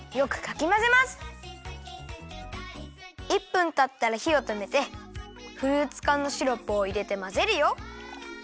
１分たったらひをとめてフルーツかんのシロップをいれてまぜるよ。